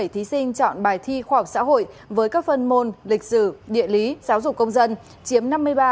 năm trăm bốn mươi một bảy trăm bảy mươi bảy thí sinh chọn bài thi khoa học xã hội với các phần môn lịch sử địa lý giáo dục công dân chiếm năm mươi ba ba mươi tám